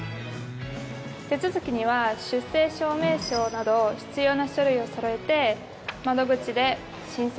手続きには出生証明書など必要な書類をそろえて窓口で申請するだけ。